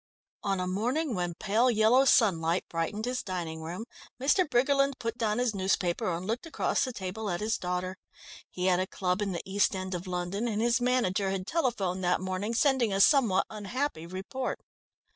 On a morning when pale yellow sunlight brightened his dining room, Mr. Briggerland put down his newspaper and looked across the table at his daughter. He had a club in the East End of London and his manager had telephoned that morning sending a somewhat unhappy report.